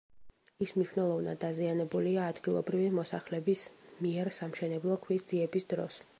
ის მნიშვნელოვნად დაზიანებულია ადგილობრივი მოსახლების მიერ სამშენებლო ქვის ძიების დროს.